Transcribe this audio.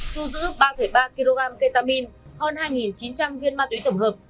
thu giữ ba ba kg ketamine hơn hai chín trăm linh viên ma túy tổng hợp